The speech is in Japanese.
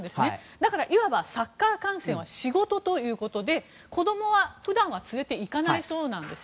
だから、いわばサッカー観戦は仕事なので子供は、普段は連れて行かないそうなんです。